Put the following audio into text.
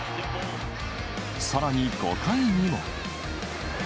さらに５回にも。